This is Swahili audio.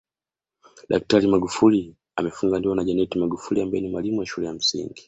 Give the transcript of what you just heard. Daktari Magufuli amefunga ndoa na Janeth magufuli ambaye ni mwalimu wa shule ya msingi